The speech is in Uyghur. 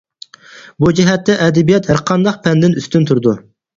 بۇ جەھەتتە ئەدەبىيات ھەر قانداق پەندىن ئۈستۈن تۇرىدۇ.